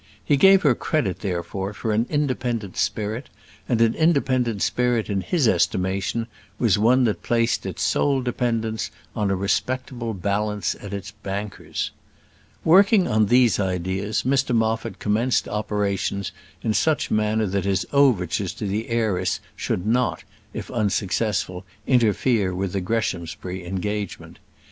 He gave her credit, therefore, for an independent spirit: and an independent spirit in his estimation was one that placed its sole dependence on a respectable balance at its banker's. Working on these ideas, Mr Moffat commenced operations in such manner that his overtures to the heiress should not, if unsuccessful, interfere with the Greshamsbury engagement.